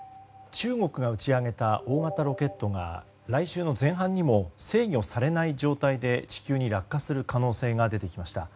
中国が打ち上げた大型ロケットが来週の前半にも制御されない状態で地球に落下する可能性が出てきました。